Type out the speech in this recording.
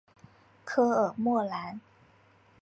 科尔莫兰。